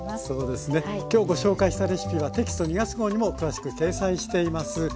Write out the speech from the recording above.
そうですね今日ご紹介したレシピはテキスト２月号にも詳しく掲載しています。